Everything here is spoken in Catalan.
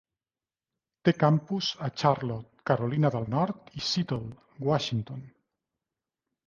Té campus a Charlotte, Carolina del Nord i Seattle, Washington.